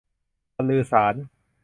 บันลือสาส์น